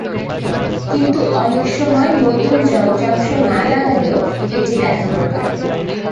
কিন্তু অনেক সময় নতুন যন্ত্রাংশ না লাগালেও এটি দেখাতে পারে।